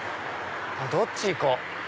どっち行こう。